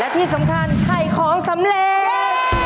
และที่สำคัญให้ของสำเร็จ